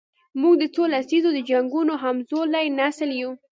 موږ د څو لسیزو د جنګونو همزولی نسل یو.